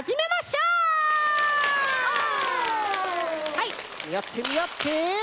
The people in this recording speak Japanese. はいみあってみあって！